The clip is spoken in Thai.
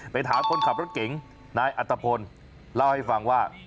ไปถามคนขับรถเก๋งนายอัตภพลเล่าให้ฟังว่า